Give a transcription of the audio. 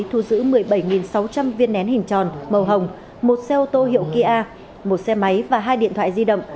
thu giữ một mươi bảy sáu trăm linh viên nén hình tròn màu hồng một xe ô tô hiệu kia một xe máy và hai điện thoại di động